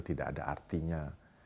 tidak ada artinya